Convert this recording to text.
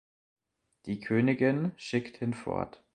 Die Königin schickt hin fort.